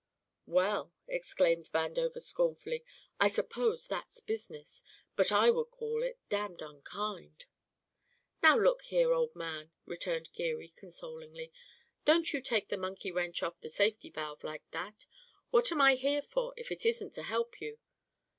"Well," exclaimed Vandover scornfully, "I suppose that's business, but I would call it damned unkind!" "Now, look here, old man," returned Geary consolingly. "Don't you take the monkey wrench off the safety valve like that. What am I here for if it isn't to help you?